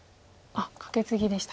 カケツギでした。